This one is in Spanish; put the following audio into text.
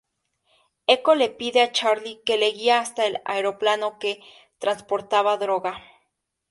Eko le pide a Charlie que le guía hasta el aeroplano que transportaba droga.